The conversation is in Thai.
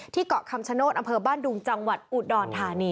เกาะคำชโนธอำเภอบ้านดุงจังหวัดอุดรธานี